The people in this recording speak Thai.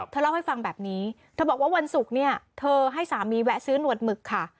เธอเล่าให้ฟังแบบนี้เธอบอกว่าวันศุกร์เนี่ยเธอให้สามีแวะซื้อหนวดหมึกค่ะ